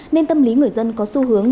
nên tâm lý người dân có xu hướng